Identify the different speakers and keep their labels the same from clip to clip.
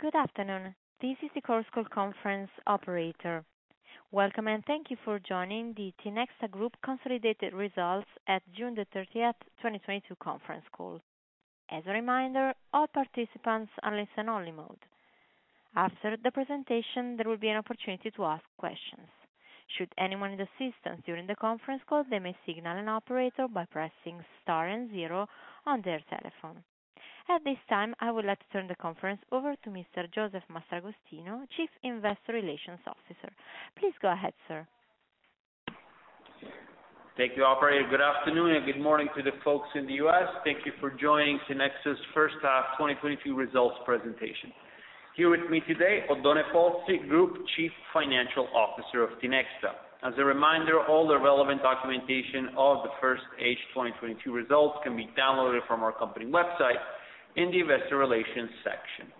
Speaker 1: Good afternoon. This is the Chorus Call conference operator. Welcome, and thank you for joining the Tinexta Group consolidated results at June 30th, 2022 conference call. As a reminder, all participants are in listen-only mode. After the presentation, there will be an opportunity to ask questions. Should anyone need assistance during the conference call, they may signal an operator by pressing star and zero on their telephone. At this time, I would like to turn the conference over to Mr. Josef Mastragostino, Chief Investor Relations Officer. Please go ahead, sir.
Speaker 2: Thank you, operator. Good afternoon and good morning to the folks in the U.S. Thank you for joining Tinexta's first half 2022 results presentation. Here with me today, Oddone Pozzi, Group Chief Financial Officer of Tinexta. As a reminder, all the relevant documentation of the first half 2022 results can be downloaded from our company website in the investor relations section.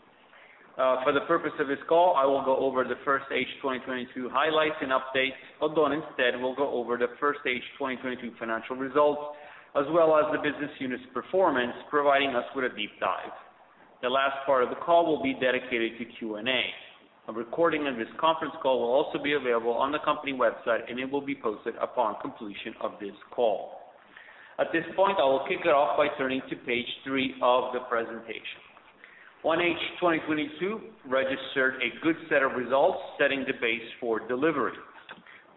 Speaker 2: For the purpose of this call, I will go over the first half 2022 highlights and updates. Oddone instead will go over the first half 2022 financial results as well as the business units performance, providing us with a deep dive. The last part of the call will be dedicated to Q&A. A recording of this conference call will also be available on the company website, and it will be posted upon completion of this call. At this point, I will kick it off by turning to page three of the presentation. 1H 2022 registered a good set of results, setting the base for delivery.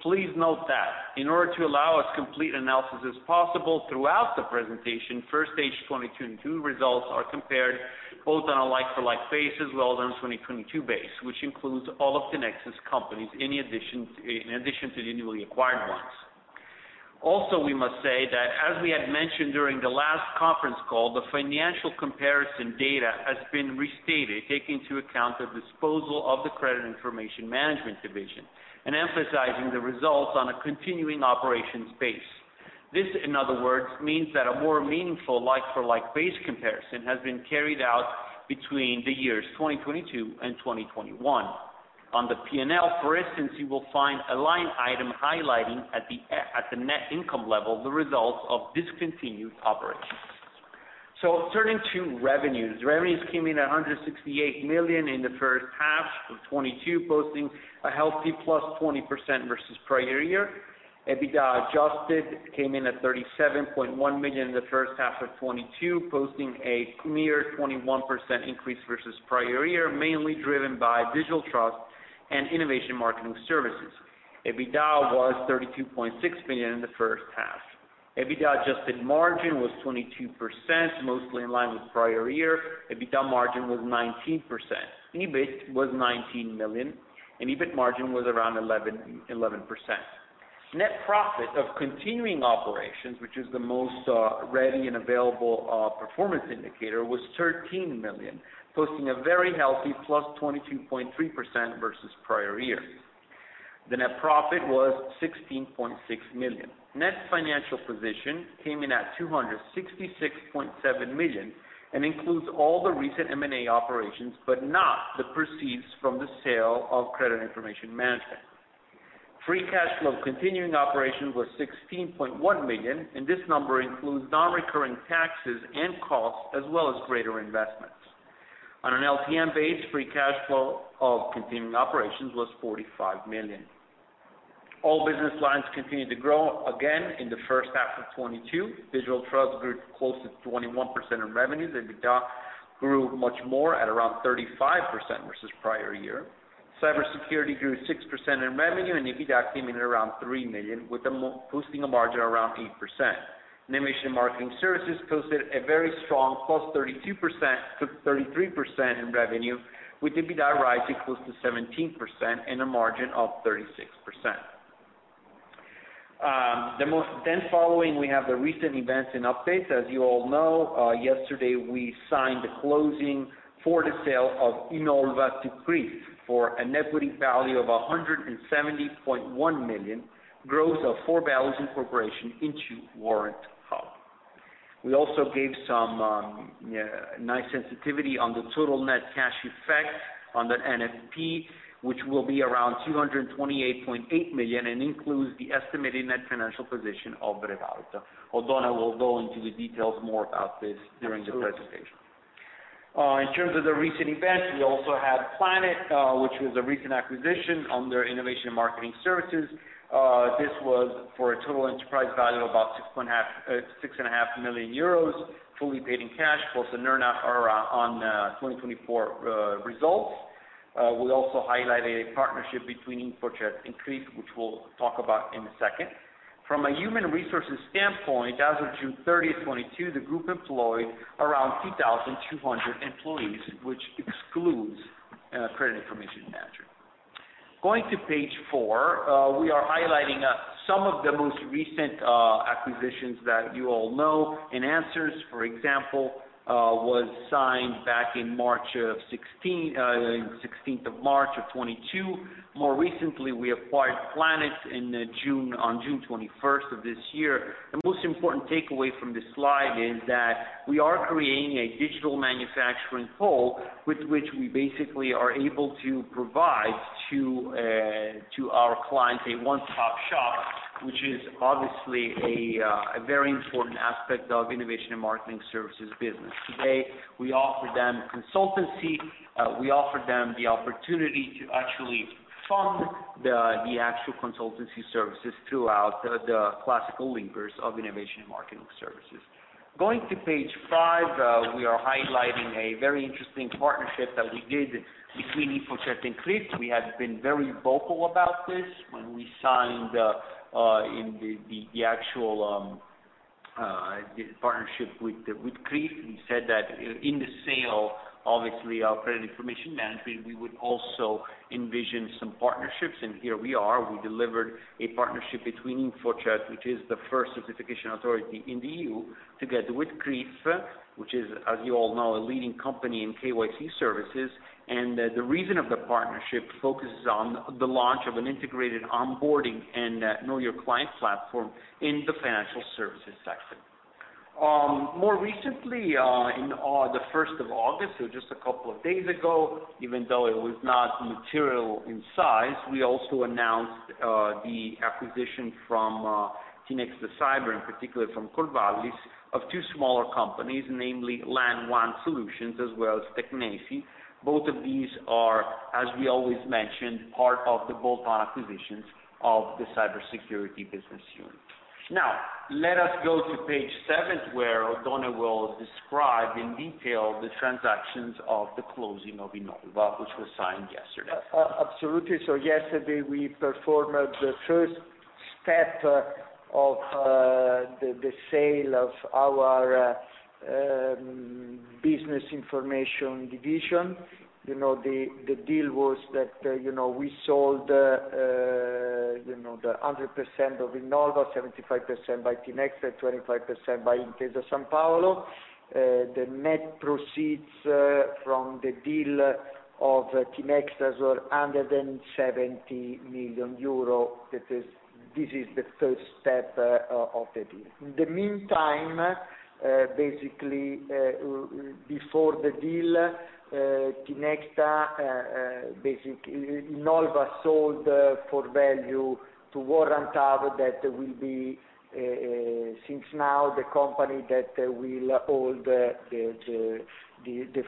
Speaker 2: Please note that in order to allow as complete analysis as possible throughout the presentation, 1H 2022 results are compared both on a like-for-like basis, as well as on 2022 base, which includes all of Tinexta's companies, in addition to the newly acquired ones. Also we must say that as we had mentioned during the last conference call, the financial comparison data has been restated, taking into account the disposal of the Credit Information and Management division and emphasizing the results on a continuing operations base. This, in other words, means that a more meaningful like-for-like base comparison has been carried out between the years 2022 and 2021. On the P&L, for instance, you will find a line item highlighting at the net income level the results of discontinued operations. So turning to revenues. Revenues came in at 168 million in the first half of 2022, posting a healthy +20% versus prior year. EBITDA adjusted came in at 37.1 million in the first half of 2022, posting a mere 21% increase versus prior year, mainly driven by Digital Trust and Innovation & Marketing Services. EBITDA was 32.6 million in the first half. EBITDA adjusted margin was 22%, mostly in line with prior year. EBITDA margin was 19%. EBIT was 19 million, and EBIT margin was around 11%. Net profit of continuing operations, which is the most ready and available performance indicator, was 13 million, posting a very healthy +22.3% versus prior year. The net profit was 16.6 million. Net financial position came in at 266.7 million and includes all the recent M&A operations, but not the proceeds from the sale of Credit Information and Management. Free cash flow continuing operations was 16.1 million, and this number includes non-recurring taxes and costs as well as greater investments. On an LTM base, free cash flow of continuing operations was 45 million. All business lines continued to grow again in the first half of 2022. Digital Trust grew close to 21% in revenue. The EBITDA grew much more at around 35% versus prior year. Cybersecurity grew 6% in revenue, and EBITDA came in around 3 million, with a margin posting around 8%. Innovation & Marketing Services posted a very strong +32%-33% in revenue, with EBITDA rising close to 17% and a margin of 36%. Then following we have the recent events and updates. As you all know, yesterday we signed the closing for the sale of Innova to CRIF for an equity value of 170.1 million, growth of Forvalue incorporation into Warrant Hub. We also gave some nice sensitivity on the total net cash effect on the NFP, which will be around 228.8 million, and includes the estimated net financial position of ReValuta. Oddone will go into the details more about this during the presentation. Absolutely. In terms of the recent events, we also had Plannet, which was a recent acquisition under Innovation & Marketing Services. This was for a total enterprise value of about 6.5 million euros, fully paid in cash plus an earn out on 2024 results. We also highlighted a partnership between InfoCert and CRIF, which we'll talk about in a second. From a human resources standpoint, as of June 30, 2022, the group employed around 2,200 employees, which excludes Credit Information Management. Going to page four, we are highlighting some of the most recent acquisitions that you all know. Enhancers, for example, was signed back in 16th of March 2022. More recently, we acquired Plannet in June. On June 21st of this year. The most important takeaway from this slide is that we are creating a digital manufacturing pole with which we basically are able to provide to our clients a one-stop shop, which is obviously a very important aspect of Innovation & Marketing Services business. Today, we offer them consultancy. We offer them the opportunity to actually fund the actual consultancy services throughout the classical linkers of Innovation & Marketing Services. Going to page five, we are highlighting a very interesting partnership that we did between InfoCert and CRIF. We have been very vocal about this. When we signed the actual partnership with CRIF, we said that in the sale, obviously, our Credit Information and Management, we would also envision some partnerships, and here we are. We delivered a partnership between InfoCert, which is the first certification authority in the E.U., together with CRIF, which is, as you all know, a leading company in KYC services. The reason of the partnership focuses on the launch of an integrated onboarding and know your client platform in the financial services sector. More recently, in the 1st of August, so just a couple of days ago, even though it was not material in size, we also announced the acquisition from Tinexta Cyber, in particular from Corvallis, of two smaller companies, namely LAN & WAN SOLUTIONS as well as Teknesi. Both of these are, as we always mentioned, part of the bolt-on acquisitions of the cybersecurity business unit. Now, let us go to page seven, where Oddone will describe in detail the transactions of the closing of Innova, which was signed yesterday.
Speaker 3: Absolutely. Yesterday, we performed the first step of the sale of our business information division. You know, the deal was that, you know, we sold the 100% of Innova, 75% by Tinexta, 25% by Intesa Sanpaolo. The net proceeds from the deal of Tinexta's were under than 70 million euro. That is. This is the first step of the deal. In the meantime, basically, before the deal, Tinexta Innova sold Forvalue to Warrant Hub that will be since now the company that will hold the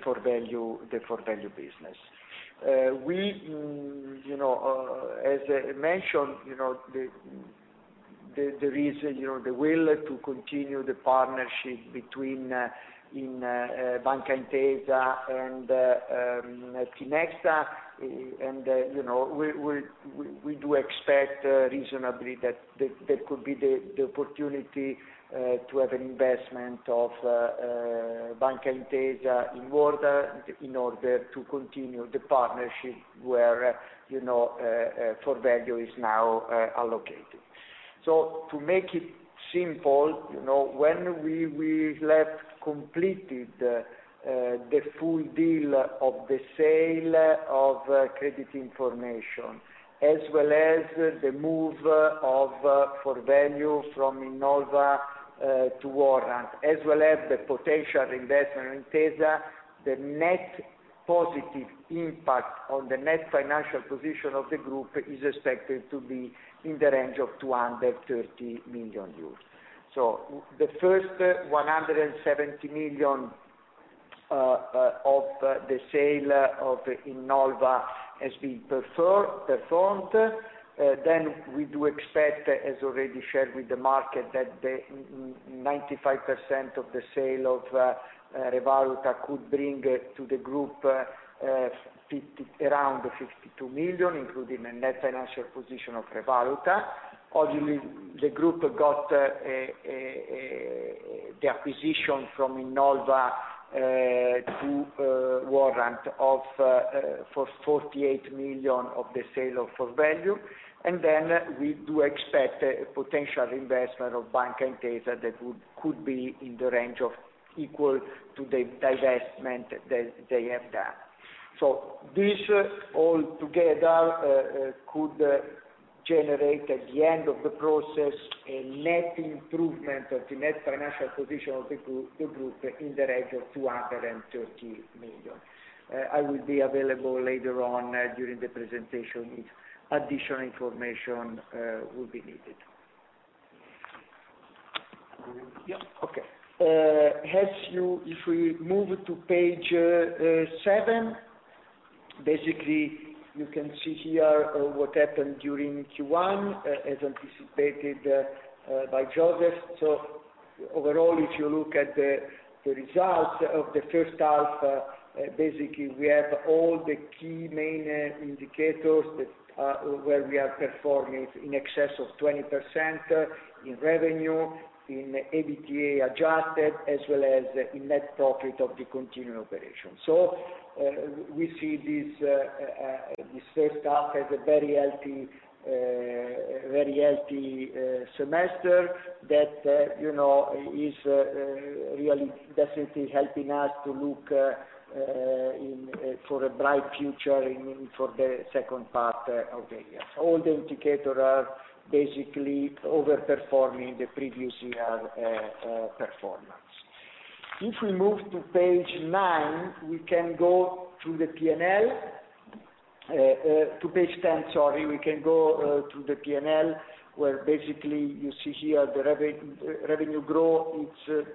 Speaker 3: Forvalue business. You know, as mentioned, you know, the reason, you know, the will to continue the partnership between Banca Intesa and Tinexta. And then you know, we do expect reasonably that could be the opportunity to have an investment of Banca Intesa in order to continue the partnership where Forvalue is now allocated. So to make it simple, you know, when we have completed the full deal of the sale of credit information, as well as the move of Forvalue from Innova to Warrant, as well as the potential investment in Intesa, the net positive impact on the net financial position of the group is expected to be in the range of 230 million euros. So the first 170 million of the sale of Innova has been performed. Then we do expect, as already shared with the market, that the 95% of the sale of ReValuta could bring to the group around 52 million, including the net financial position of ReValuta. Obviously, the group got the acquisition from Innova to Warrant Hub for 48 million of the sale of Forvalue. And then we do expect a potential investment of Banca Intesa that would could be in the range of equal to the divestment that they have done. So this all together could generate at the end of the process a net improvement of the net financial position of the group in the range of 230 million. I will be available later on during the presentation if additional information will be needed. Yeah. Okay. If we move to page seven, basically, you can see here what happened during Q1, as anticipated by Josef. Overall, if you look at the results of the first half, basically, we have all the key main indicators that we are performing in excess of 20% in revenue, in EBITDA adjusted, as well as in net profit of the continuing operations. So we see this first half as a very healthy semester that, you know, is really definitely helping us to look for a bright future for the second part of the year. All the indicators are basically overperforming the previous year performance. If we move to page nine, we can go through the P&L. To page ten, sorry. We can go to the P&L, where basically you see here the revenue growth, it's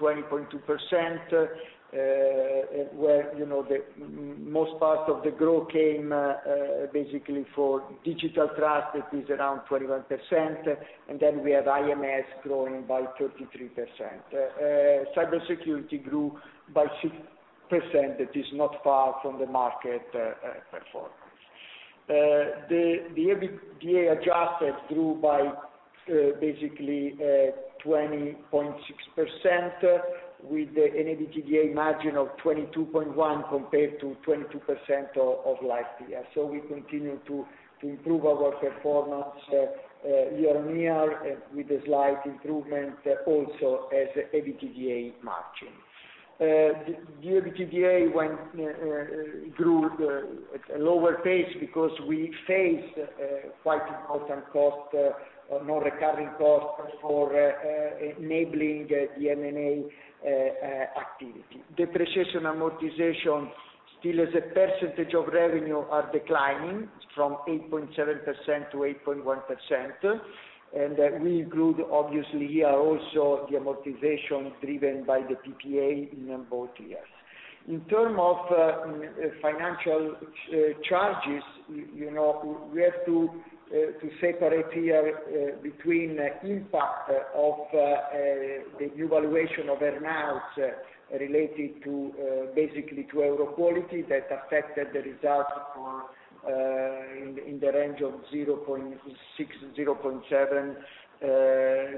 Speaker 3: 20.2%. Where, you know, the most part of the growth came, basically for Digital Trust, that is around 21%, and then we have IMS growing by 33%. Cybersecurity grew by 6%. That is not far from the market performance. The EBITDA adjusted grew by basically 20.6% with the EBITDA margin of 22.1% compared to 22% of last year. So we continue to improve our performance year-on-year with a slight improvement also as EBITDA margin. The EBITDA grew at a lower pace because we faced quite often costs, non-recurring costs for enabling the M&A activity. Depreciation amortization still as a percentage of revenue are declining from 8.7% to 8.1%. And then we include, obviously, here also the amortization driven by the PPA in both years. In terms of financial charges, you know, we have to separate here between impact of the evaluation of earnings related to, basically to Euroquality that affected the results for, in the range of 0.6 million-0.7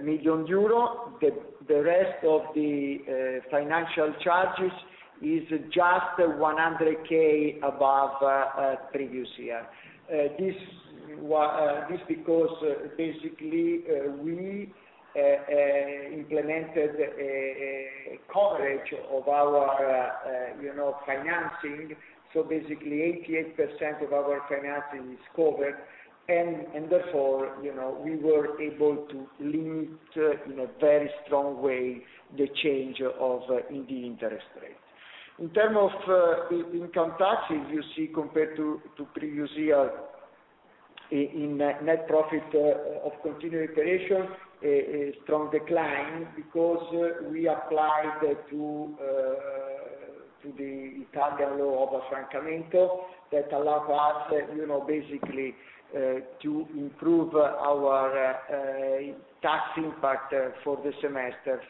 Speaker 3: million euro. The rest of the financial charges is just 100,000 above previous year. This was because basically, we implemented a coverage of our, you know, financing. Basically 88% of our financing is covered, and therefore, you know, we were able to limit in a very strong way the change in the interest rate. In terms of income taxes, you see, compared to previous year in net profit of continuing operations, a strong decline because we applied to the Italian law of affrancamento that allow us, you know, basically, to improve our tax impact for the semester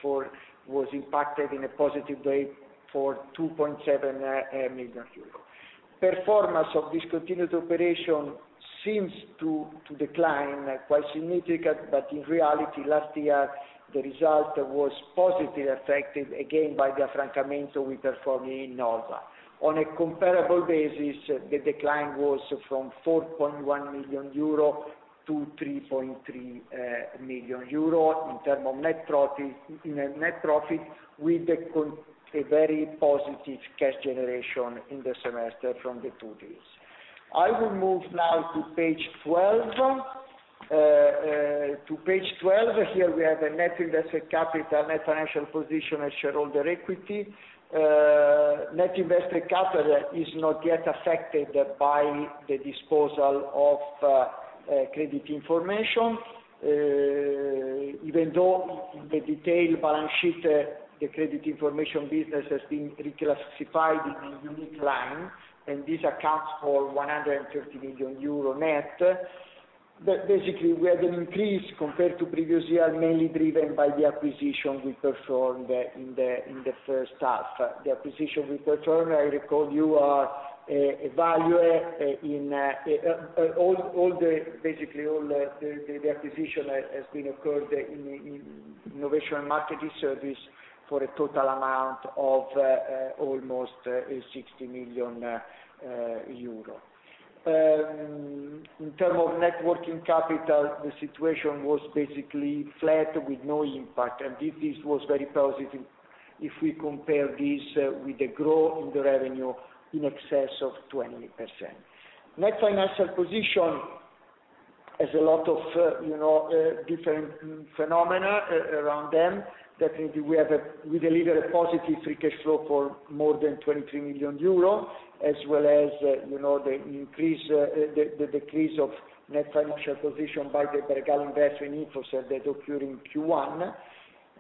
Speaker 3: was impacted in a positive way for 2.7 million euros. Performance of discontinued operation seems to decline quite significantly, but in reality, last year, the result was positively affected, again, by the affrancamento we performed in Innova. On a comparable basis, the decline was from 4.1 million euro to 3.3 million euro in terms of net profit, with a very positive cash generation in the semester from the two days. I will move now to page 12. Here we have a net invested capital, net financial position, and shareholder equity. Net invested capital is not yet affected by the disposal of credit information. Even though in the detailed balance sheet, the credit information business has been reclassified in a unique line, and this accounts for 150 million euro net. Basically, we have an increase compared to previous year, mainly driven by the acquisition we performed in the first half. The acquisition we performed, I recall you evaluate in basically all the acquisition has occurred in Innovation & Marketing Services for a total amount of almost EUR 60 million. In terms of net working capital, the situation was basically flat with no impact. This was very positive if we compare this with the growth in the revenue in excess of 20%. Net financial position has a lot of you know different phenomena around them. That means we deliver a positive free cash flow for more than 23 million euro, as well as you know the decrease of net financial position by the Bregal investment in InfoCert that occurred in Q1.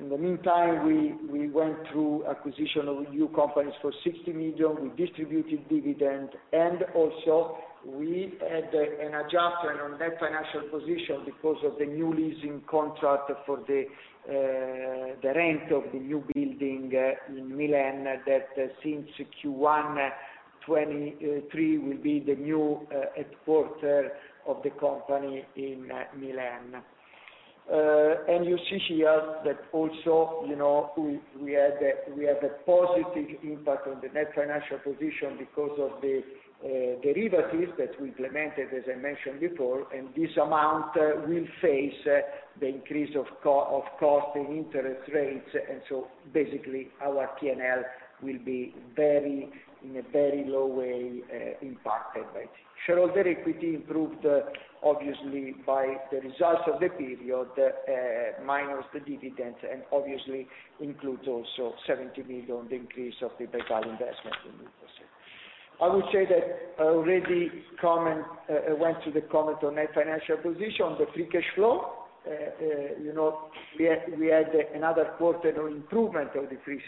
Speaker 3: In the meantime, we went through acquisition of new companies for 60 million. We distributed dividend, and also we had an adjustment on net financial position because of the new leasing contract for the rent of the new building in Milan that since Q1 2023 will be the new headquarters of the company in Milan. And you see here that also, you know, we had a positive impact on the net financial position because of the derivatives that we implemented, as I mentioned before, and this amount will face the increase of cost in interest rates. And so basically, our P&L will be very, in a very low way, impacted by this. Shareholder equity improved obviously by the results of the period minus the dividends, and obviously includes also 70 million, the increase of the Bregal investment in InfoCert. I would say that I already commented on the net financial position, the free cash flow. You know, we had another quarter of improvement of the free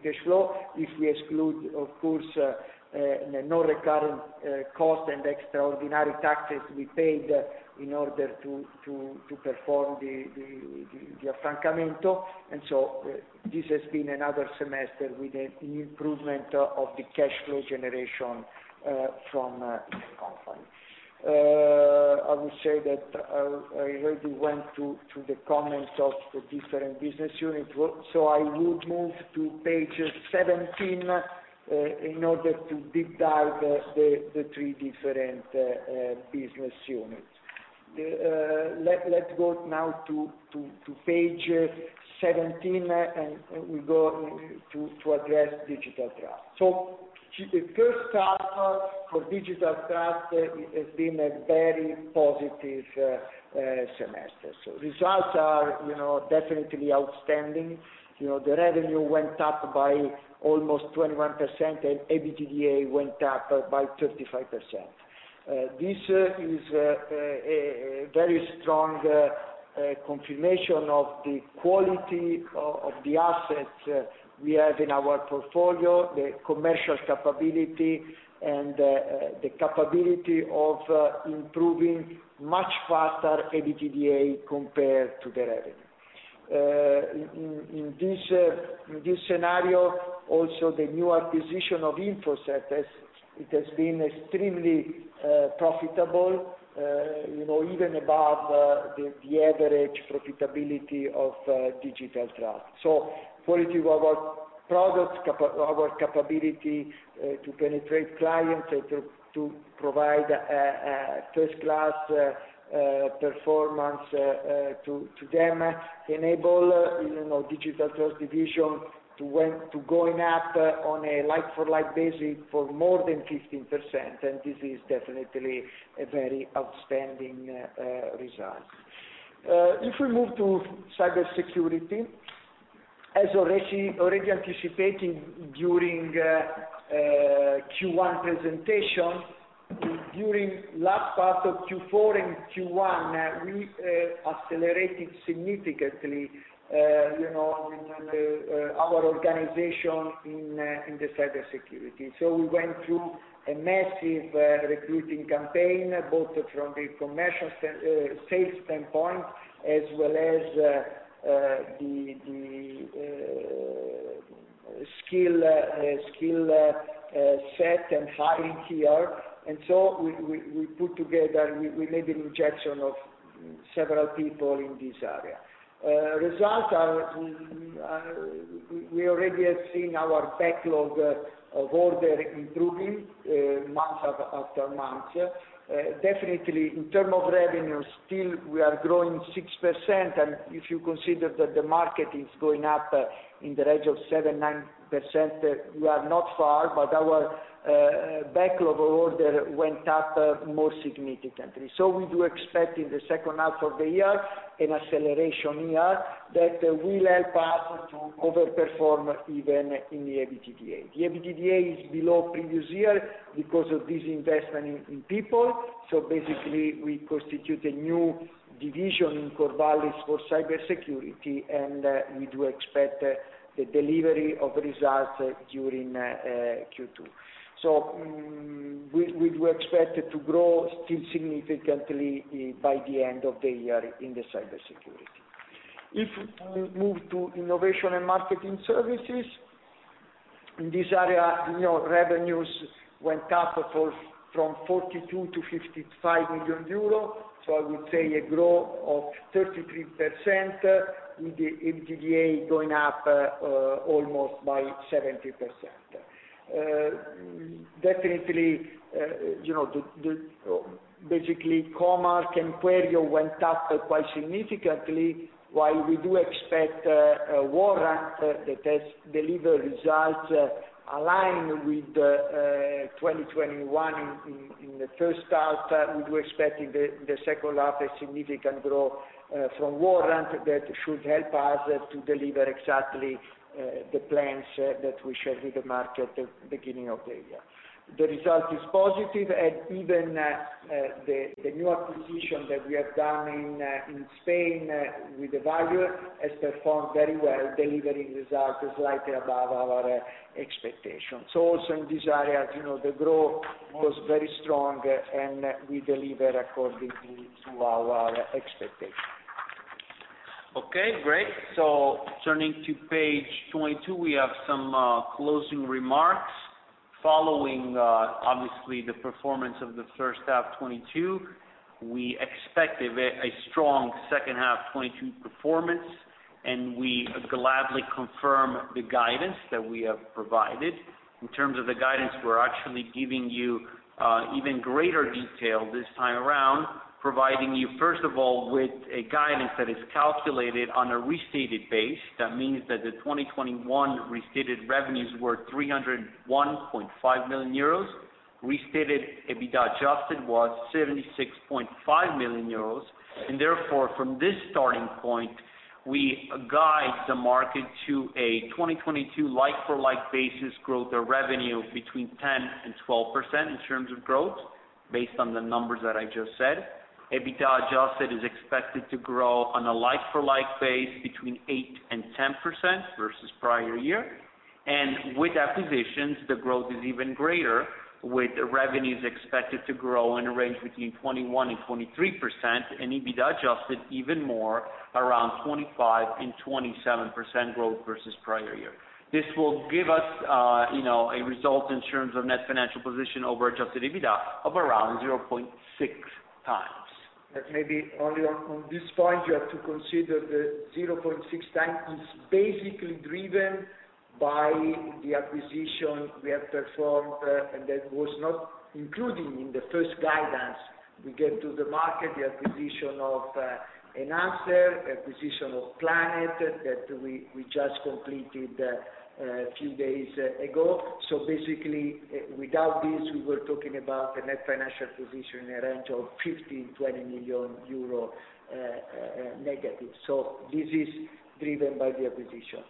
Speaker 3: cash flow. If we exclude, of course, non-recurring cost and extraordinary taxes we paid in order to perform the affrancamento. And so this has been another semester with an improvement of the cash flow generation from continuing operations. I would say that I already went through the comments of the different business units. So I would move to page 17 in order to deep dive into the three different business units. Let's go now to page 17, and we go to address Digital Trust. The first half for Digital Trust has been a very positive semester. So results are, you know, definitely outstanding. You know, the revenue went up by almost 21%, and EBITDA went up by 35%. This is a very strong confirmation of the quality of the assets we have in our portfolio, the commercial capability, and the capability of improving much faster EBITDA compared to the revenue. In this scenario, also the new acquisition of InfoCert, it has been extremely profitable, you know, even above the average profitability of Digital Trust. So quality of our products, our capability to penetrate clients and to provide first-class performance to them enable, you know, Digital Trust division to go up on a like-for-like basis for more than 15%, and this is definitely a very outstanding result. If we move to Cybersecurity. As already anticipating during Q1 presentation, during last part of Q4 and Q1, we accelerated significantly, you know, our organization in the Cybersecurity. So we went through a massive recruiting campaign, both from the commercial sales standpoint, as well as the skill set and hiring here. And so we put together, we made an injection of several people in this area. Results are, we already have seen our backlog of orders improving month after month. Definitely in terms of revenue, still we are growing 6%. If you consider that the market is going up in the range of 7%-9%, we are not far, but our backlog of orders went up more significantly. So we do expect in the second half of the year an acceleration here that will help us to overperform even in the EBITDA. The EBITDA is below previous year because of this investment in people. So basically, we constitute a new division in Corvallis for cybersecurity, and we do expect the delivery of results during Q2. So we do expect it to grow still significantly by the end of the year in the cybersecurity. If we move to innovation and marketing services, in this area, you know, revenues went up from 42 million-55 million euros. I would say a growth of 33%, with the EBITDA going up almost by 70%. Definitely, you know, the... Basically, Co.Mark and Quero went up quite significantly, while we do expect Warrant Hub that has delivered results aligned with 2021 in the first half. We do expect in the second half a significant growth from Warrant Hub. That should help us to deliver exactly the plans that we shared with the market at beginning of the year. The result is positive, and even the new acquisition that we have done in Spain with Evalue has performed very well, delivering results slightly above our expectations. Also in this area, you know, the growth was very strong, and we delivered accordingly to our expectations.
Speaker 2: Okay, great. So turning to page 22, we have some closing remarks. Following obviously the performance of the first half 2022, we expect a strong second half 2022 performance, and we gladly confirm the guidance that we have provided. In terms of the guidance, we're actually giving you even greater detail this time around, providing you, first of all, with a guidance that is calculated on a restated base. That means that the 2021 restated revenues were 301.5 million euros. Restated EBITDA adjusted was 76.5 million euros, and therefore, from this starting point, we guide the market to a 2022 like-for-like basis growth of revenue between 10% and 12% in terms of growth based on the numbers that I just said. EBITDA adjusted is expected to grow on a like-for-like base between 8% and 10% versus prior year. And with acquisitions, the growth is even greater, with revenues expected to grow in a range between 21% and 23% and EBITDA adjusted even more around 25% and 27% growth versus prior year. This will give us a result in terms of net financial position over adjusted EBITDA of around 0.6x.
Speaker 3: Maybe only on this point, you have to consider the 0.6x is basically driven by the acquisition we have performed, and that was not included in the first guidance we gave to the market, the acquisition of Enhancers, acquisition of Plannet that we just completed a few days ago. Basically, without this, we were talking about the net financial position in a range of 15 million-20 million euro, negative. This is driven by the acquisition.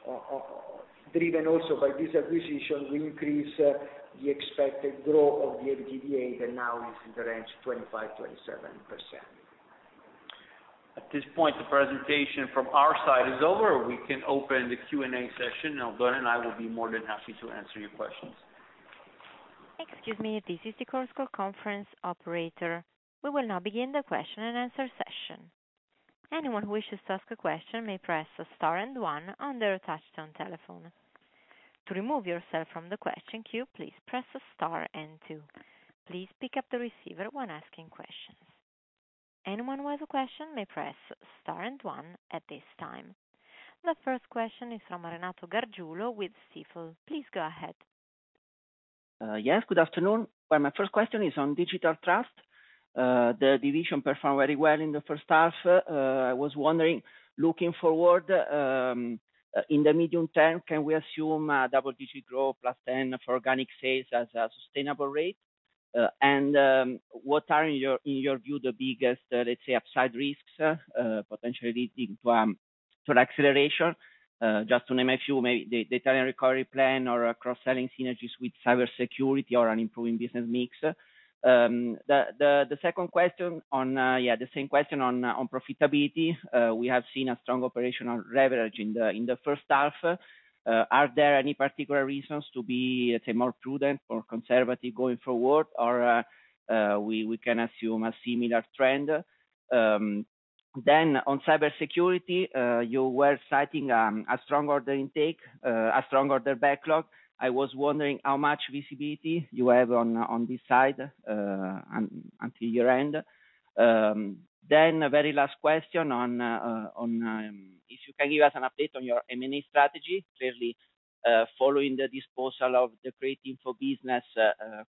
Speaker 3: Driven also by this acquisition will increase the expected growth of the EBITDA that now is in the range of 25%-27%.
Speaker 2: At this point, the presentation from our side is over. We can open the Q&A session. Alberto and I will be more than happy to answer your questions.
Speaker 1: Excuse me, this is the Chorus Call conference operator. We will now begin the question and answer session. Anyone who wishes to ask a question may press star and one on their touchtone telephone. To remove yourself from the question queue, please press star and two. Please pick up the receiver when asking questions. Anyone who has a question may press star and one at this time. The first question is from Renato Gargiulo with Stifel. Please go ahead.
Speaker 4: Yes, good afternoon. Well, my first question is on Digital Trust. The division performed very well in the first half. I was wondering, looking forward, in the medium term, can we assume a double-digit growth +10% for organic sales as a sustainable rate? And what are in your view the biggest, let's say, upside risks potentially leading to acceleration? Just to name a few, maybe the Italian recovery plan or cross-selling synergies with Cybersecurity or an improving business mix. The second question on profitability. We have seen a strong operational leverage in the first half. Are there any particular reasons to be, let's say, more prudent or conservative going forward? Or we can assume a similar trend? Then on Cybersecurity, you were citing a strong order intake, a strong order backlog. I was wondering how much visibility you have on this side until year end. Then a very last question on if you can give us an update on your M&A strategy, clearly, following the disposal of the Credit Information business,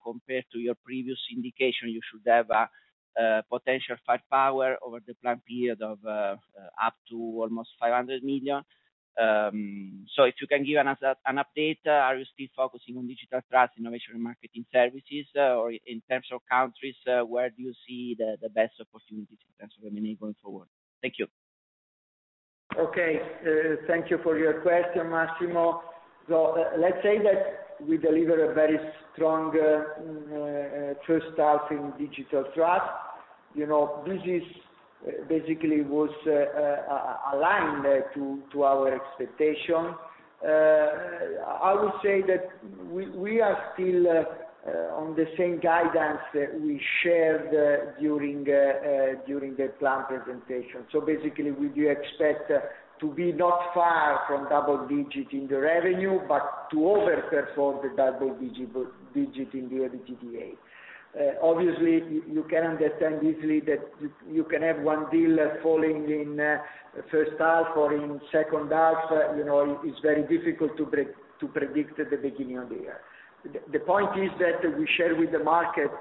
Speaker 4: compared to your previous indication, you should have a potential firepower over the plan period of up to almost 500 million. So if you can give us an update, are you still focusing on Digital Trust, Innovation & Marketing Services, or in terms of countries, where do you see the best opportunities in terms of M&A going forward? Thank you.
Speaker 3: Okay. Thank you for your question, Renato. Let's say that we deliver a very strong first half in Digital Trust. You know, this is basically aligned to our expectation. I would say that we are still on the same guidance that we shared during the plan presentation. So basically, we do expect to be not far from double-digit in the revenue, but to overperform the double-digit in the EBITDA. Obviously, you can understand easily that you can have one deal falling in first half or in second half. You know, it's very difficult to predict at the beginning of the year. The point is that we share with the market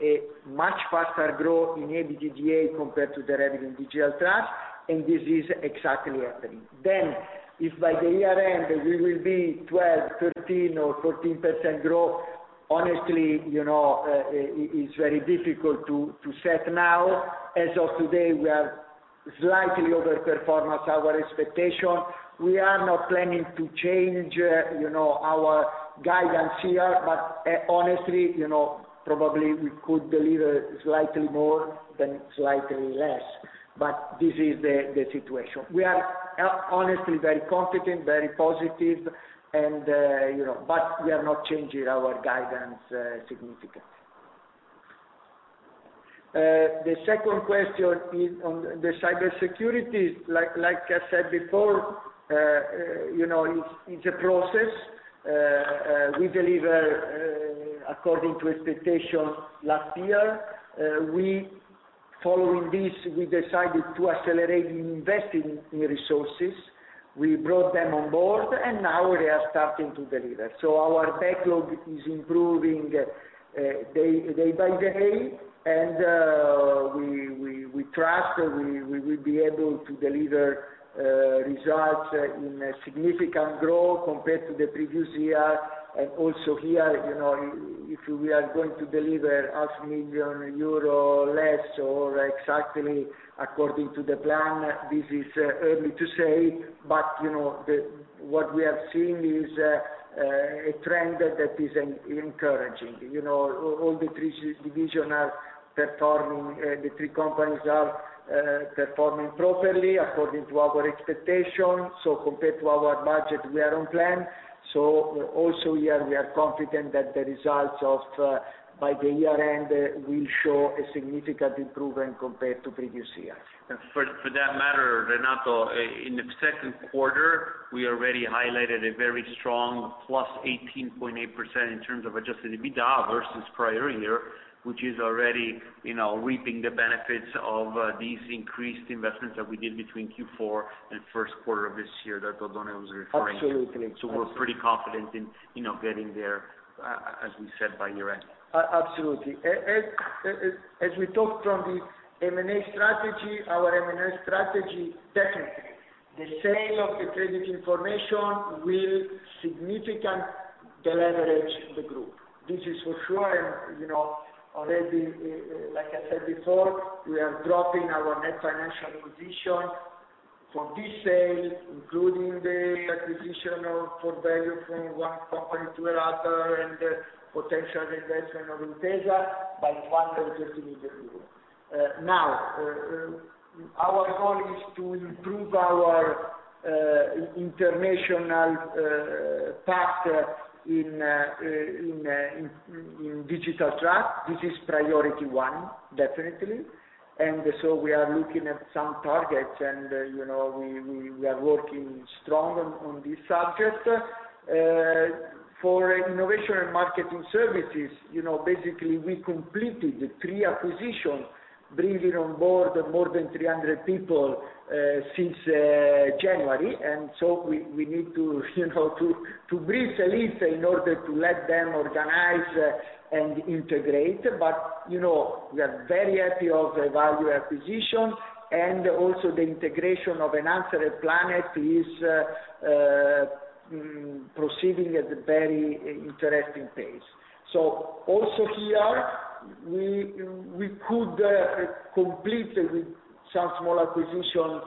Speaker 3: a much faster growth in EBITDA compared to the revenue in Digital Trust, and this is exactly happening. Then if by the year-end we will be 12%, 13% or 14% growth, honestly, you know, it's very difficult to set now. As of today, we are slightly overperforming our expectation. We are not planning to change our guidance here, but honestly, you know, probably we could deliver slightly more than slightly less. But this is the situation. We are honestly very confident, very positive and, you know, but we are not changing our guidance significantly. The second question is on the Cybersecurity. Like I said before, you know, it's a process. We deliver according to expectation last year. We following this, we decided to accelerate in investing in resources. We brought them on board, and now they are starting to deliver. So our backlog is improving day by day. And we trust we will be able to deliver results in a significant growth compared to the previous year. Also here, if we are going to deliver half million euro less or exactly according to the plan, this is early to say. What we have seen is a trend that is encouraging. And you know all the three divisions are performing, the three companies are performing properly according to our expectations. So compared to our budget, we are on plan. So also here we are confident that the results by the year end will show a significant improvement compared to previous years.
Speaker 2: For that matter, Renato, in the second quarter, we already highlighted a very strong +18.8% in terms of adjusted EBITDA versus prior year, which is already, you know, reaping the benefits of these increased investments that we did between Q4 and first quarter of this year that Oddone was referring to.
Speaker 3: Absolutely.
Speaker 2: We're pretty confident in, you know, getting there, as we said, by year-end.
Speaker 3: Absolutely. As we talked from the M&A strategy, definitely. The sale of the credit information will significantly de-leverage the group. This is for sure. You know, already, like I said before, we are dropping our net financial position from this sale, including the acquisition of Forvalue from one company to another and potential investment by Intesa Sanpaolo by EUR 500 million. Now, our goal is to improve our international path in Digital Trust. This is priority one, definitely. We are looking at some targets and, you know, we are working strong on this subject. For Innovation & Marketing Services, you know, basically we completed the three acquisitions, bringing on board more than 300 people since January. And so we need to, you know, to breathe a little in order to let them organize and integrate. But you know, we are very happy of the value acquisition and also the integration of Enhancers and Plannet is proceeding at a very interesting pace. So also here, we could complete with some small acquisition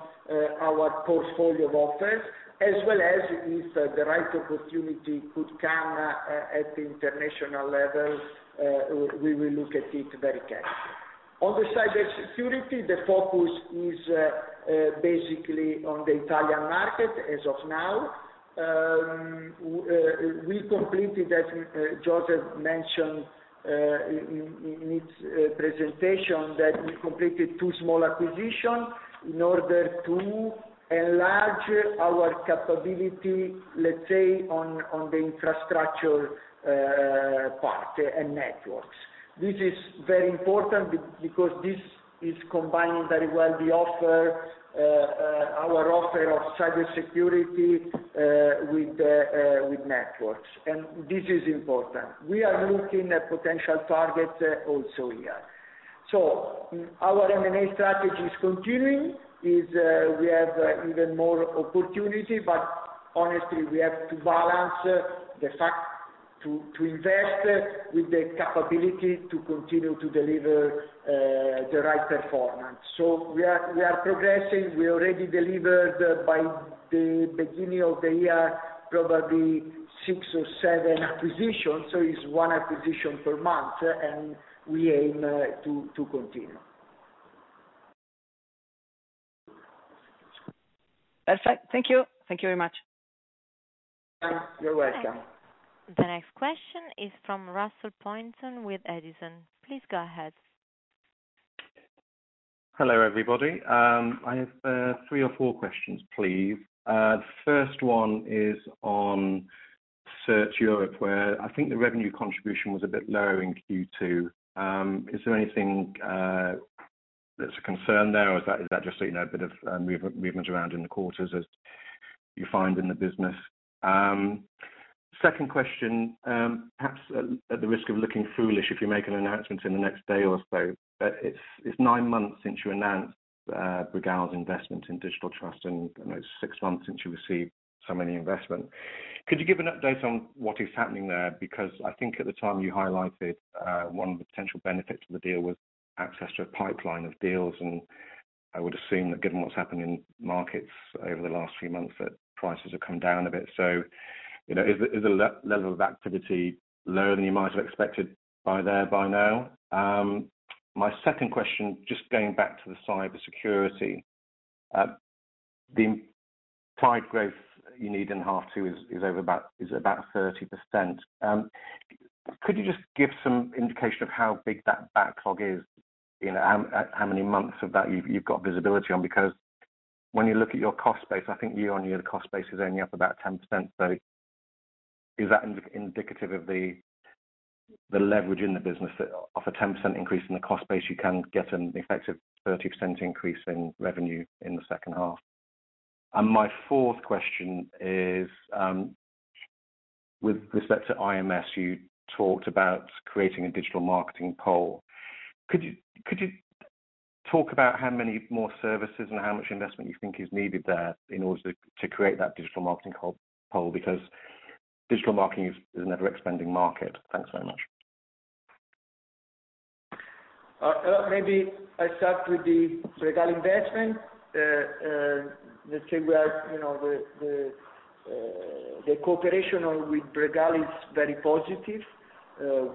Speaker 3: our portfolio of offers, as well as if the right opportunity could come at the international level, we will look at it very carefully. On the cybersecurity, the focus is basically on the Italian market as of now. We as Josef mentioned in his presentation, we completed two small acquisitions in order to enlarge our capability, let's say, on the infrastructure part and networks. This is very important because this is combining very well the offer, our offer of Cybersecurity with networks. And this is important. We are looking at potential targets also here. So our M&A strategy is continuing. We have even more opportunity, but honestly, we have to balance the fact to invest with the capability to continue to deliver the right performance. So we are progressing. We already delivered by the beginning of the year, probably six or seven acquisitions, so it's 1 acquisition per month, and we aim to continue.
Speaker 4: Perfect. Thank you. Thank you very much.
Speaker 3: You're welcome.
Speaker 1: The next question is from Russell Pointon with Edison. Please go ahead.
Speaker 5: Hello, everybody. I have three or four questions, please. The first one is on CertEurope, where I think the revenue contribution was a bit lower in Q2. Is there anything that's a concern there or is that just so you know a bit of movement around in the quarters as you find in the business? Second question, perhaps at the risk of looking foolish, if you make an announcement in the next day or so, but it's nine months since you announced Bregal Milestone's investment in Digital Trust, and it's six months since you received the money. Could you give an update on what is happening there? Because I think at the time you highlighted one of the potential benefits of the deal was access to a pipeline of deals, and I would assume that given what's happened in markets over the last few months, that prices have come down a bit. So you know, is the level of activity lower than you might have expected by now? My second question, just going back to the Cybersecurity. The type growth you need in half two is about 30%. Could you just give some indication of how big that backlog is? You know, how many months of that you've got visibility on? Because when you look at your cost base, I think year-on-year, the cost base is only up about 10%. Is that indicative of the leverage in the business that a 10% increase in the cost base, you can get an effective 30% increase in revenue in the second half? My fourth question is, with respect to IMS, you talked about creating a digital marketing pole. Could you talk about how many more services and how much investment you think is needed there in order to create that digital marketing pole? Because digital marketing is an ever expanding market. Thanks very much.
Speaker 3: Maybe I start with the Bregal Investment. Let's say we are, you know, the cooperation with Bregal is very positive.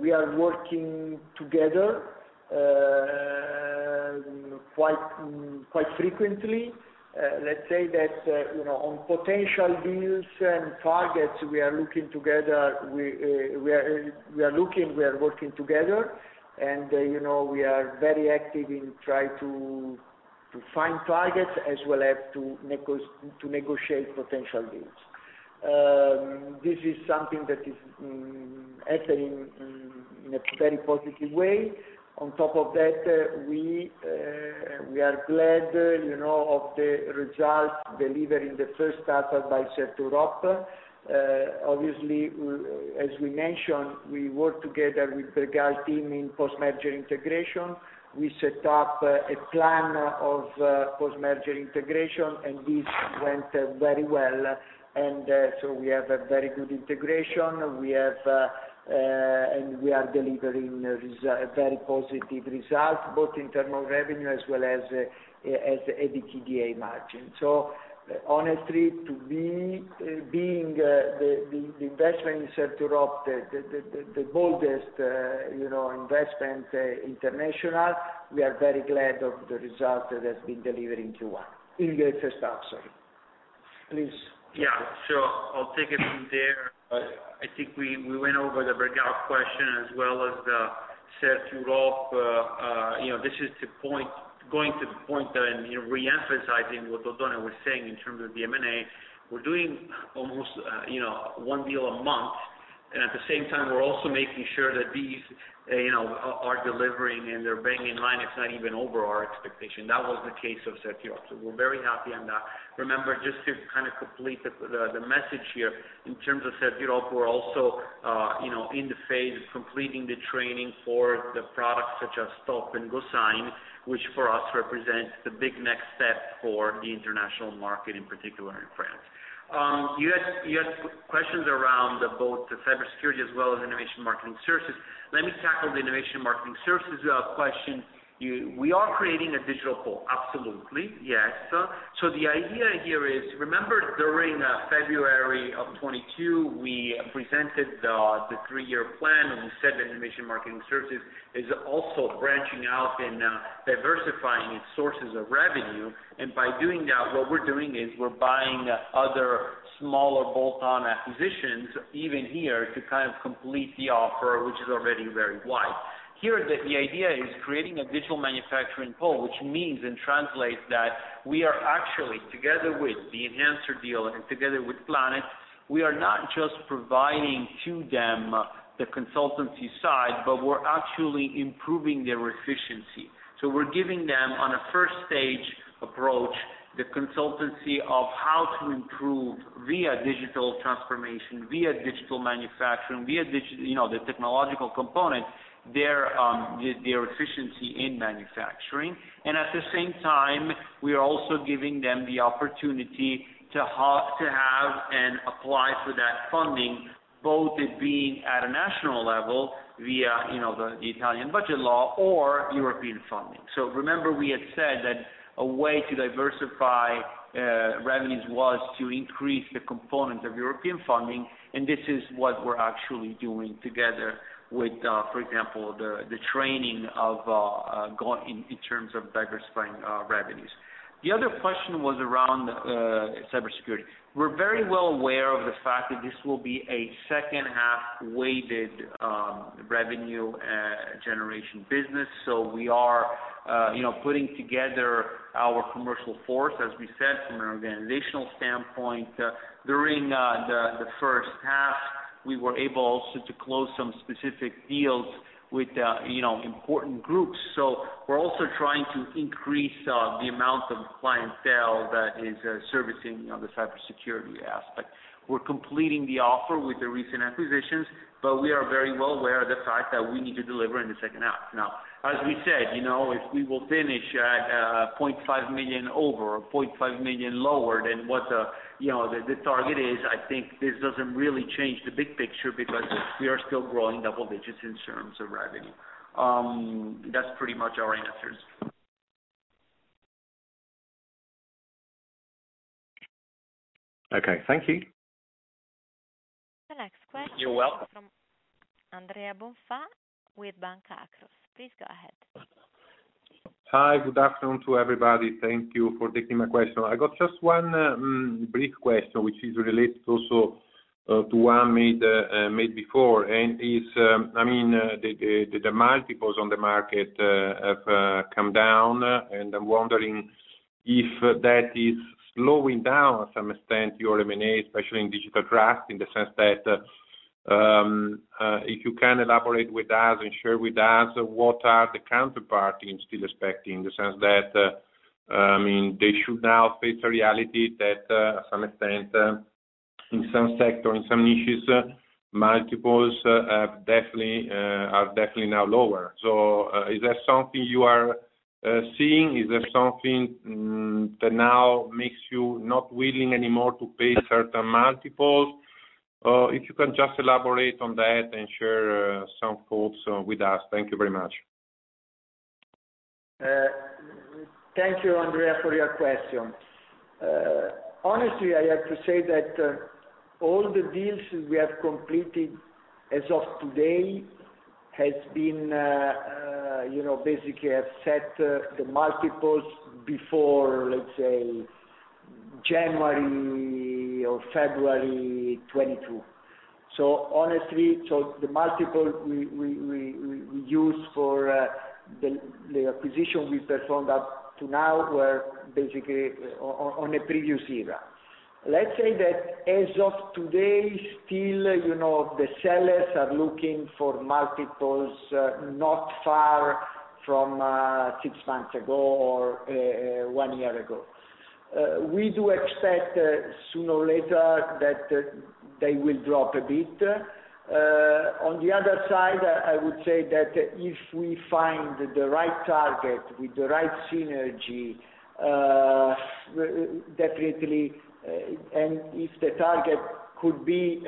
Speaker 3: We are working together, quite frequently. Let's say that, you know, on potential deals and targets, we are looking together. We are working together, and, you know, we are very active in trying to find targets as well as to negotiate potential deals. This is something that is happening in a very positive way. On top of that, we are glad, you know, of the results delivered in the first half of CertEurope. Obviously, as we mentioned, we work together with Bregal team in post-merger integration. We set up a plan of post-merger integration, and this went very well. We have a very good integration. We have and we are delivering very positive results, both in terms of revenue as well as EBITDA margin. So honestly, to me, being the investment in CertEurope, the boldest, you know, investment international, we are very glad of the result that has been delivered in Q1. In the first half, sorry. Please.
Speaker 2: I'll take it from there. I think we went over the Bregal question as well as the CertEurope. You know, this is to the point, going to the point and, you know, re-emphasizing what Oddone was saying in terms of the M&A. We're doing almost, you know, one deal a month, and at the same time, we're also making sure that these, you know, are delivering and they're bang in line, if not even over our expectation. That was the case of CertEurope. We're very happy on that. Remember, just to kind of complete the message here, in terms of CertEurope, we're also, you know, in the phase of completing the training for the products such as TOP and GoSign, which for us represents the big next step for the international market, in particular in France. You asked questions around both the Cybersecurity as well as Innovation & Marketing Services. Let me tackle the Innovation & Marketing Services question. We are creating a digital pole. Absolutely. Yes. The idea here is, remember during February of 2022, we presented the three-year plan, and we said that Innovation & Marketing Services is also branching out and diversifying its sources of revenue. By doing that, what we're doing is we're buying other smaller bolt-on acquisitions, even here, to kind of complete the offer, which is already very wide. Here, the idea is creating a digital manufacturing pole, which means and translates that we are actually, together with the Enhancers deal and together with Plannet, we are not just providing to them the consultancy side, but we're actually improving their efficiency. So we're giving them, on a first stage approach, the consultancy of how to improve via digital transformation, via digital manufacturing, you know, the technological component, their efficiency in manufacturing. At the same time, we are also giving them the opportunity to have and apply for that funding, both it being at a national level via, you know, the Italian budget law or European funding. So remember we had said that a way to diversify revenues was to increase the component of European funding, and this is what we're actually doing together with, for example, the training going in terms of diversifying revenues. The other question was around cybersecurity. We're very well aware of the fact that this will be a second-half weighted revenue generation business. So we are, you know, putting together our commercial force, as we said, from an organizational standpoint. During the first half, we were able also to close some specific deals with, you know, important groups. So we're also trying to increase the amount of client sales that is servicing, you know, the Cybersecurity aspect. We're completing the offer with the recent acquisitions, but we are very well aware of the fact that we need to deliver in the second half. Now, as we said, you know, if we will finish at 0.5 million over or 0.5 million lower than what the target is, I think this doesn't really change the big picture because we are still growing double digits in terms of revenue. That's pretty much our answers.
Speaker 5: Okay. Thank you.
Speaker 3: You're welcome.
Speaker 1: The next question from Andrea Bonfà with Banca Akros. Please go ahead.
Speaker 6: Hi. Good afternoon to everybody. Thank you for taking my question. I got just one brief question, which is related also to one made before, and is, I mean, the multiples on the market have come down, and I'm wondering if that is slowing down to some extent your M&A, especially in Digital Trust, in the sense that, if you can elaborate with us and share with us what are the counterparties still expecting, in the sense that, I mean, they should now face the reality that to some extent in some sectors, in some niches, multiples definitely are now lower. So is that something you are seeing? Is that something that now makes you not willing anymore to pay certain multiples? If you can just elaborate on that and share some thoughts with us. Thank you very much.
Speaker 3: Thank you, Andrea, for your question. Honestly, I have to say that, all the deals we have completed as of today has been, you know, basically have set the multiples before, let's say, January or February 2022. So honestly, so the multiple we use for, the acquisition we performed up to now were basically on a previous era. Let's say that as of today, still, you know, the sellers are looking for multiples, not far from, six months ago or, one year ago. We do expect, sooner or later that, they will drop a bit. On the other side, I would say that if we find the right target with the right synergy, definitely. If the target could be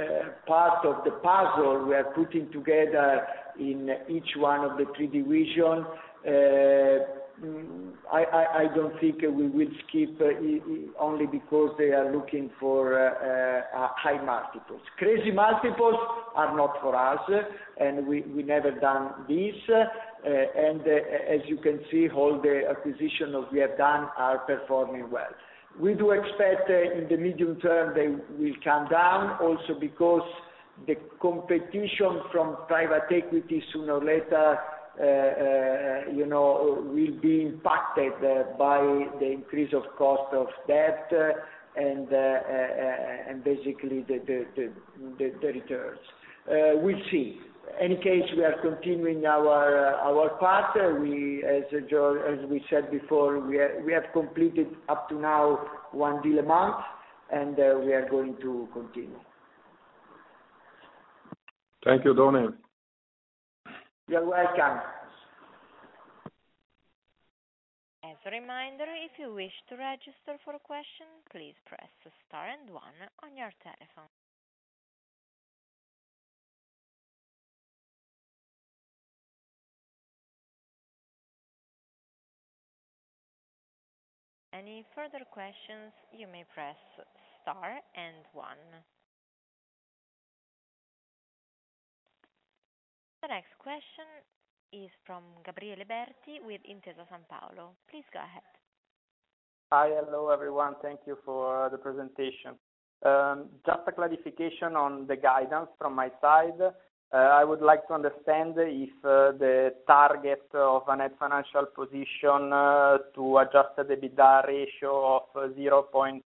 Speaker 3: part of the puzzle we are putting together in each one of the three divisions, I don't think we will skip it only because they are looking for high multiples. Crazy multiples are not for us, and we never done this. And as you can see, all the acquisitions we have done are performing well. We do expect, in the medium term, they will come down also because the competition from private equity, sooner or later, you know, will be impacted by the increase of cost of debt, and basically the returns. We'll see. In any case, we are continuing our path. As we said before, we have completed up to now one deal a month, and we are going to continue.
Speaker 6: Thank you, Oddone.
Speaker 3: You're welcome.
Speaker 1: As a reminder, if you wish to register for a question, please press star and one on your telephone. Any further questions, you may press star and one. The next question is from Gabriele Berti with Intesa Sanpaolo. Please go ahead.
Speaker 7: Hi. Hello, everyone. Thank you for the presentation. Just a clarification on the guidance from my side. I would like to understand if the target of a net financial position to adjusted EBITDA ratio of 0.6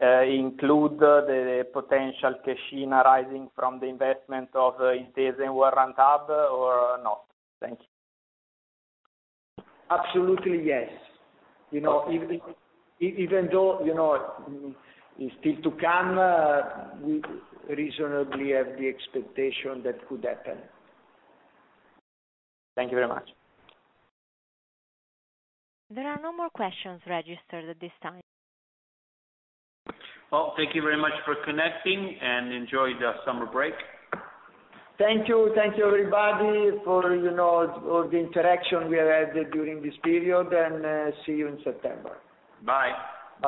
Speaker 7: include the potential cash in arising from the investment of Intesa Sanpaolo and Warrant Hub or not? Thank you.
Speaker 3: Absolutely, yes. You know, even though, you know, is still to come, we reasonably have the expectation that could happen.
Speaker 7: Thank you very much.
Speaker 1: There are no more questions registered at this time.
Speaker 3: Well, thank you very much for connecting, and enjoy the summer break.
Speaker 2: Thank you. Thank you, everybody, for, you know, all the interaction we had during this period, and see you in September.
Speaker 3: Bye.